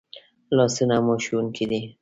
لاسونه مو ښوونکي دي